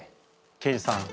刑事さん。